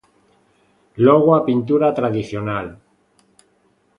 Logo a pintura tradicional.